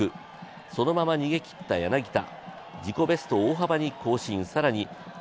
そのまま逃げきった柳田。